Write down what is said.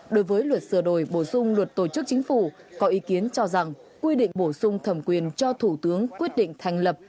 đối với luật sửa đổi bổ sung luật tổ chức chính phủ có ý kiến cho rằng quy định bổ sung thẩm quyền cho thủ tướng quyết định thành lập